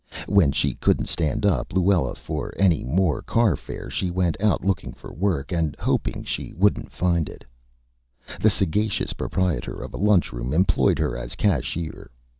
When she couldn't stand up Luella for any more Car Fare she went out looking for Work, and hoping she wouldn't find it. The sagacious Proprietor of a Lunch Room employed her as Cashier.